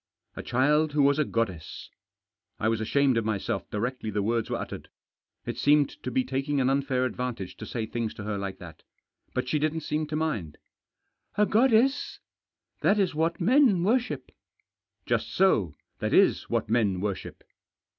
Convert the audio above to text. " A child who was a goddess." I was ashamed of myself directly the words were uttered. It seemed to be taking an unfair advantage to say things to her like that. But she didn't seem to mind. " A goddess ? That is what men worship." " Just so. That is what men worship."